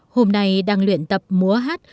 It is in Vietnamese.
hôm nay đang luyện tập múa hát